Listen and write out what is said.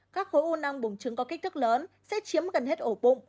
các khối u năng bùn trứng có kích thước lớn sẽ chiếm gần hết ổ bụng